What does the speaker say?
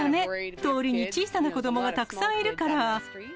通りに小さな子どもがたくさんいるから。